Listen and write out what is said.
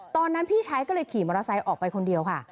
พี่ชายก็เลยขี่มอเตอร์ไซค์ออกไปคนเดียวค่ะ